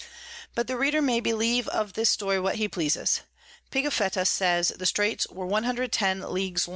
but the Reader may believe of this Story what he pleases. Pigafetta says the Straits were 110 Ls.